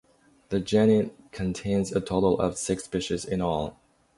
The genus contains a total of six species in all.